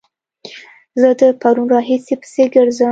زه د پرون راهيسې پسې ګرځم